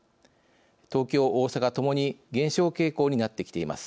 東京大阪ともに減少傾向になってきています。